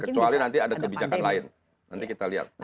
kecuali nanti ada kebijakan lain nanti kita lihat